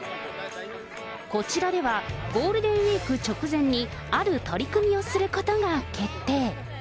こちらでは、ゴールデンウィーク直前に、ある取り組みをすることが決定。